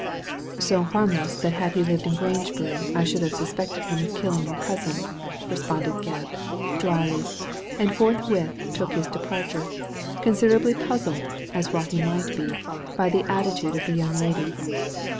'' So harmless, tiiat had he lived in Grangebury I should have suspected him of killing your cousin, responded Gebb, dryly, and forthwith took his de parture, considerably puzzled, as well he might be, by the attitude of the young lady.